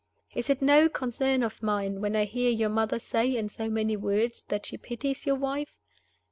Is it no concern of mine when I hear your mother say, in so many words, that she pities your wife?